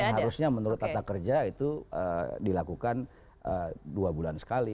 harusnya menurut tata kerja itu dilakukan dua bulan sekali